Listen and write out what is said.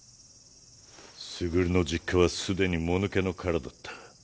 傑の実家はすでにもぬけの殻だった。